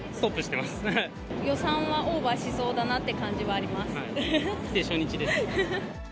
予算はオーバーしそうだなと来て初日です。